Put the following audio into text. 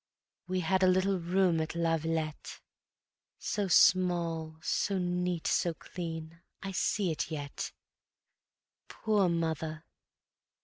We had a little room at Lavilette, So small, so neat, so clean, I see it yet. Poor mother!